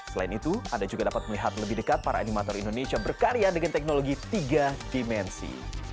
selain itu anda juga dapat melihat lebih dekat para animator indonesia berkarya dengan teknologi tiga dimensi